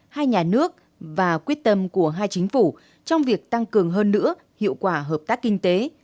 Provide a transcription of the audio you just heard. hai nhà nước và quyết tâm của hai chính phủ trong việc tăng cường hơn nữa hiệu quả hợp tác kinh tế